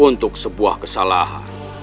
untuk sebuah kesalahan